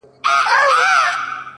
• اور د میني بل نه وي بورا نه وي,